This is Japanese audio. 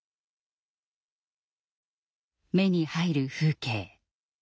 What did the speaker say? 目に入る風景。